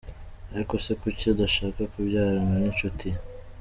Ariko se kuki adashaka kubyarana n’inshuti ye?.